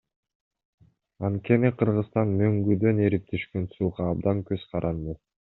Анткени Кыргызстан мөңгүдөн эрип түшкөн сууга абдан көз каранды.